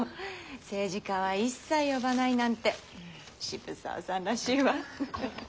政治家は一切呼ばないなんて渋沢さんらしいわ。